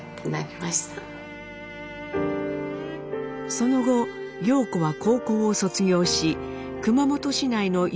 その後様子は高校を卒業し熊本市内の洋装店に就職。